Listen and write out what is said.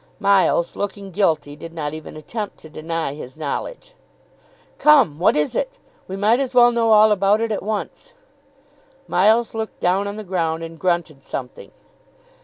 Miles, looking guilty, did not even attempt to deny his knowledge. "Come; what is it? We might as well know all about it at once." Miles looked down on the ground, and grunted something.